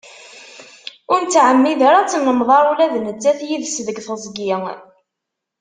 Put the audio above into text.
Ur nettɛemmid ara ad tennemḍar ula d nettat yid-s deg tezgi.